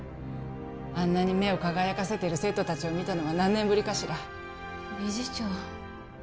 あんなに目を輝かせてる生徒達を見たのは何年ぶりかしら理事長